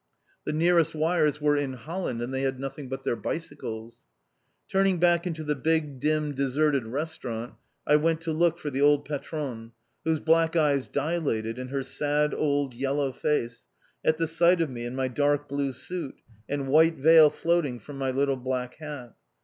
The nearest wires were in Holland, and they had nothing but their bicycles. Turning back into the big, dim, deserted restaurant, I went to look for the old patronne, whose black eyes dilated in her sad, old yellow face at the sight of me in my dark blue suit, and white veil floating from my little black hat.